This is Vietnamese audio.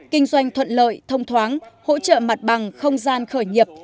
kinh doanh thuận lợi thông thoáng hỗ trợ mặt bằng không gian khởi nghiệp